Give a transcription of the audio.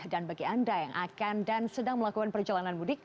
dan bagi anda yang akan dan sedang melakukan perjalanan mudik